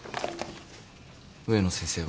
植野先生は。